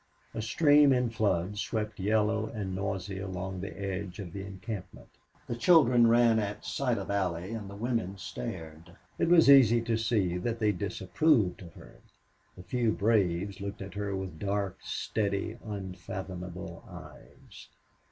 A stream in flood swept yellow and noisy along the edge of the encampment. The children ran at sight of Allie, and the women stared. It was easy to see that they disapproved of her. The few braves looked at her with dark, steady, unfathomable eyes.